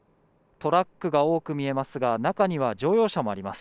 トラックが多く見えますが、中には乗用車もあります。